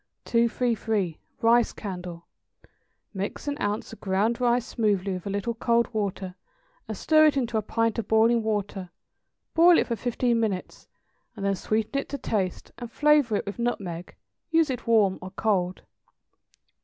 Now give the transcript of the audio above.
233. =Rice Candle.= Mix an ounce of ground rice smoothly with a little cold water, and stir it into a pint of boiling water; boil it for fifteen minutes, and then sweeten it to taste and flavor it with nutmeg. Use it warm or cold.